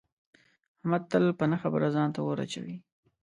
احمد تل په نه خبره ځان اور ته اچوي.